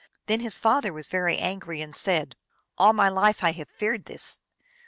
Then his father was very angry, and said, " All my life have I feared this.